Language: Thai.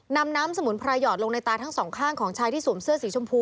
นำน้ำสมุนไพรหอดลงในตาทั้งสองข้างของชายที่สวมเสื้อสีชมพู